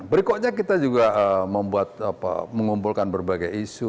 berikutnya kita juga membuat apa mengumpulkan berbagai isu